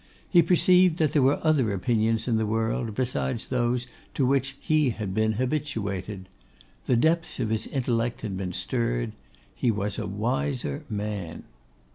He perceived that there were other opinions in the world, besides those to which he had been habituated. The depths of his intellect had been stirred. He was a wiser man.